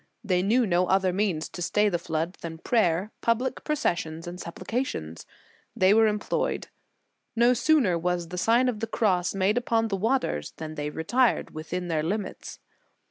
They knew no other means to stay the flood than prayer, public processions, and supplications. They were employed. No sooner was the Sign of the Cross made upon the waters, than they retired within their limits.